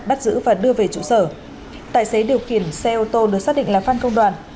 bắt giữ và đưa về trụ sở tài xế điều khiển xe ô tô được xác định là phan công đoàn